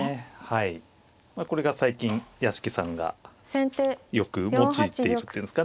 これが最近屋敷さんがよく用いているっていうんですかね